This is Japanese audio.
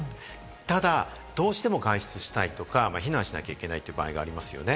ただ、どうしても外出したいとか避難しなきゃいけない場合、ありますね。